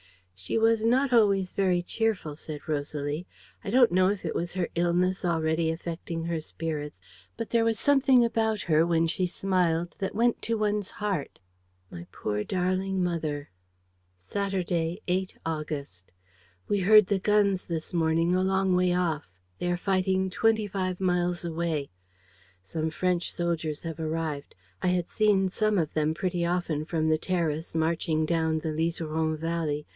"'She was not always very cheerful,' said Rosalie. 'I don't know if it was her illness already affecting her spirits, but there was something about her, when she smiled, that went to one's heart.' "My poor, darling mother! "Saturday, 8 August. "We heard the guns this morning, a long way off. They are fighting 25 miles away. "Some French soldiers have arrived. I had seen some of them pretty often from the terrace, marching down the Liseron Valley.